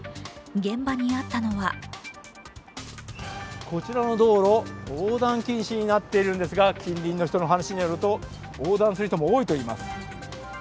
現場にあったのはこちらの道路、横断禁止になっているんですが、近隣の人の話によると、横断する人が多いといいます。